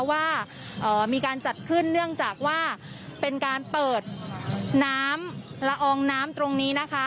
ว่ามีการจัดขึ้นเนื่องจากว่าเป็นการเปิดน้ำละอองน้ำตรงนี้นะคะ